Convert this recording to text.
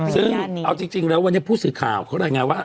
ซึ่งเอาจริงแล้ววันนี้ผู้สื่อข่าวเขารายงานว่า